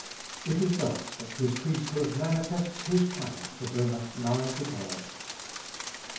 It is thus that His priesthood manifests His power to bring us nigh to God.